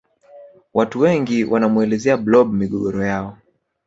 watu wengi wanamuelezea blob migogoro yao